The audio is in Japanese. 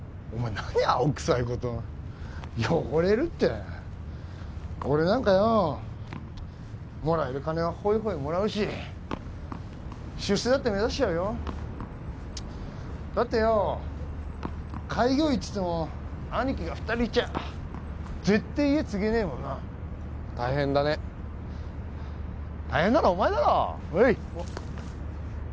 何青くさいことを汚れるって俺なんかよもらえる金はホイホイもらうし出世だって目指しちゃうよだって開業医と言っても兄貴が二人いちゃ家継げないもんな大変だね大変なのはお前だろほいッ